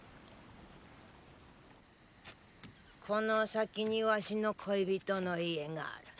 この先にワシの恋人の家がある。